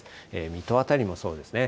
水戸辺りもそうですね。